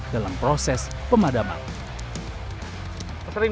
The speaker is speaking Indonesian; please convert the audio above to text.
dalam proses pemadaman